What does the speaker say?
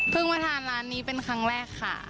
มาทานร้านนี้เป็นครั้งแรกค่ะ